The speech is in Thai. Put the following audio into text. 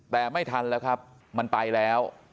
แต่ไม่ทันแล้วครับมันไปแล้ว